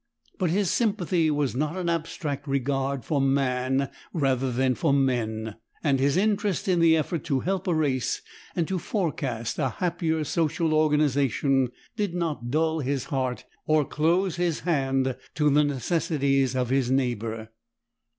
But his sympathy was not an abstract regard for man rather than for men, and his interest in the effort to help a race and to forecast a happier social organization did not dull his heart or close his hand to the necessities of his neighbor.